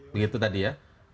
begitu tadi ya